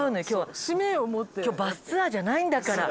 今日バスツアーじゃないんだから。